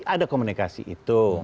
ada komunikasi itu